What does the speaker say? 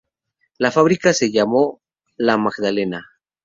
La fábrica se llamó La Magdalena.